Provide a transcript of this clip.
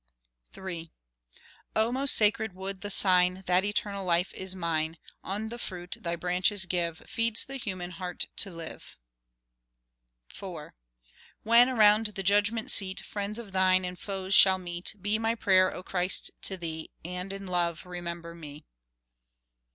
III O! most sacred wood, the sign That eternal life is mine; On the fruit thy branches give, Feeds the human heart to live. IV When, around the Judgment seat, Friends of thine and foes shall meet, Be my prayer, O Christ, to Thee, And in love remember me.